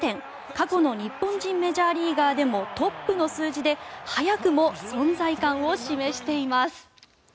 過去の日本人メジャーリーガーでもトップの数字で早くも存在感を示しています。